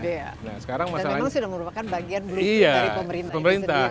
dan memang sudah merupakan bagian blueprint dari pemerintah